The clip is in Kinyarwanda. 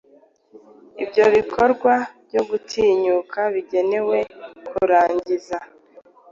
Ibyo bikorwa byo gutinyuka bigenewe kurangiza